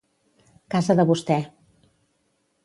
Casa de vostè.